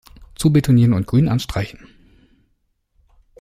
Zubetonieren und grün anstreichen!